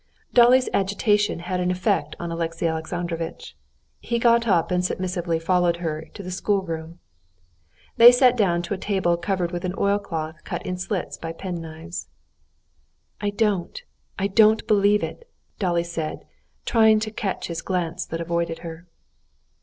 Dolly's agitation had an effect on Alexey Alexandrovitch. He got up and submissively followed her to the schoolroom. They sat down to a table covered with an oilcloth cut in slits by penknives. "I don't, I don't believe it!" Dolly said, trying to catch his glance that avoided her.